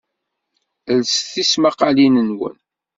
Lset tismqaqqalin-nwen.